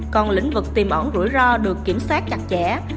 còn lĩnh vực tìm ẩn rủi ro được kiểm soát chặt chẽ